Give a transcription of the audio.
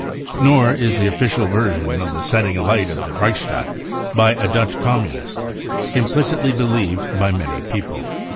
Nor is the official version of the setting alight of the Reichstag by a Dutch Communist implicitly believed by many people."